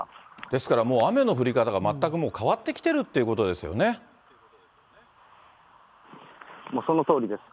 ですから、もう雨の降り方が全くもう変わってきてるってこともうそのとおりです。